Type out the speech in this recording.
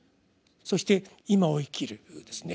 そして今を生きる。